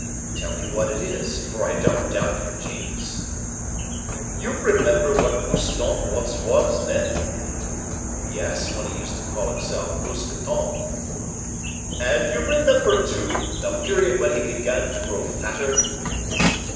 "Tell me what it is; for I don't doubt your genius." "You remember what Mouston once was, then?" "Yes; when he used to call himself Mousqueton." "And you remember, too, the period when he began to grow fatter?"